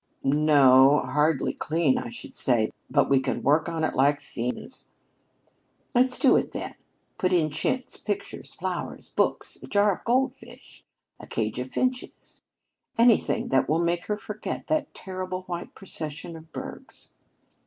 "No hardly clean, I should say. But we can work on it like fiends." "Let's do it, then, put in chintz, pictures, flowers, books, a jar of goldfish, a cage of finches, anything that will make her forget that terrible white procession of bergs."